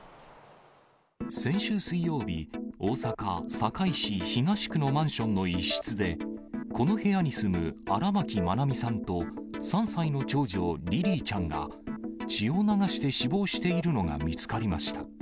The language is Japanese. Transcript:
先週水曜日、大阪・堺市東区のマンションの一室で、この部屋に住む荒牧愛美さんと、３歳の長女、リリィちゃんが血を流して死亡しているのが見つかりました。